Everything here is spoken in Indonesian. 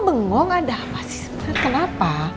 bengong ada apa sih sebenernya kenapa